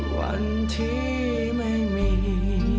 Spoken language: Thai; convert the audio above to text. วันที่ไม่มี